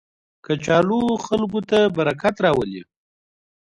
کچالو خلکو ته برکت راولي